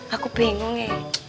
aku bingung ya